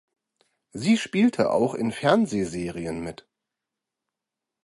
Sie spielte auch in Fernsehserien mit.